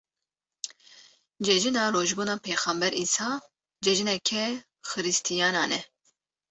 Cejina Rojbûna Pêxember Îsa cejineke xiristiyanan e.